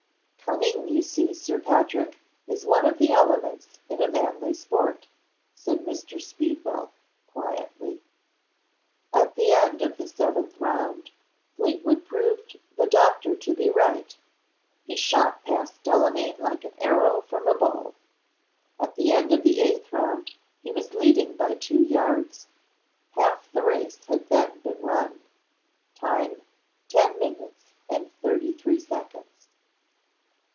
"Cunning, you see, Sir Patrick, is one of the elements in a manly sport," said Mr. Speedwell, quietly. At the end of the seventh round, Fleetwood proved the doctor to be right. He shot past Delamayn like an arrow from a bow. At the end of the eight round, he was leading by two yards. Half the race had then been run. Time, ten minutes and thirty three seconds.